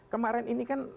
kemarin ini kan